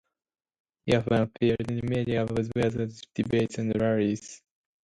He often appeared in media as well as in debates and rallies.